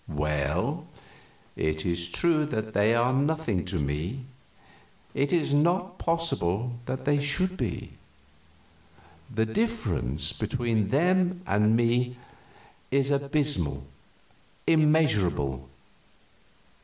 "Well, it is true that they are nothing to me. It is not possible that they should be. The difference between them and me is abysmal, immeasurable.